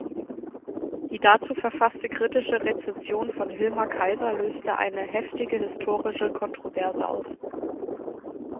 Die dazu verfasste kritische Rezension von Hilmar Kaiser löste eine heftige historische Kontroverse aus.